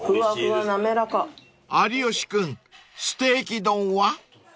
［有吉君ステーキ丼は？］